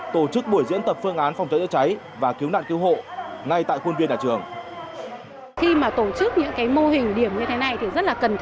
tổ chức buổi diễn tập phương án phòng cháy chữa cháy và cứu nạn cứu hộ ngay tại khuôn viên nhà trường